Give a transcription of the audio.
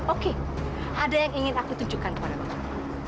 oke ada yang ingin aku tunjukkan kepada bapak